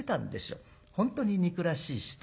本当に憎らしい人。